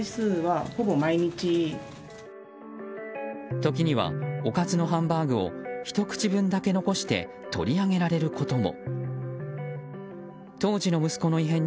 時にはおかずのハンバーグをひと口分だけ残して取り上げられることも。